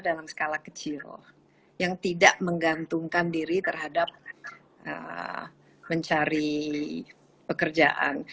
dalam skala kecil yang tidak menggantungkan diri terhadap mencari pekerjaan